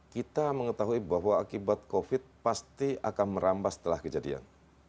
kita mengetahui bahwa akibat covid pasti akan merambah setelah kejadian